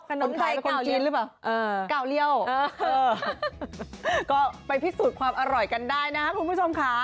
ขนมไทยคนจีนหรือเปล่าเก่าเลี่ยวก็ไปพิสูจน์ความอร่อยกันได้นะครับคุณผู้ชมค่ะ